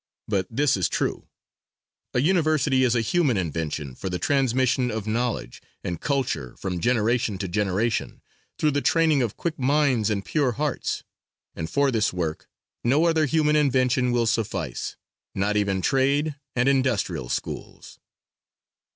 But this is true: A university is a human invention for the transmission of knowledge and culture from generation to generation, through the training of quick minds and pure hearts, and for this work no other human invention will suffice, not even trade and industrial schools.